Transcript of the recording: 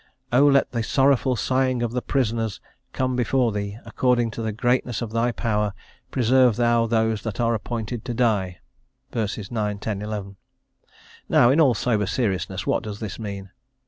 O let the sorrowful sighing of the prisoners come before Thee; according to the greatness of Thy power, preserve Thou those that are appointed to die" (w. 9, 10, 11). Now in all sober seriousness what does this mean?